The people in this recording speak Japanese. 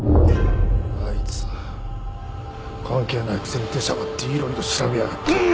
あいつ関係ないくせに出しゃばっていろいろ調べやがった。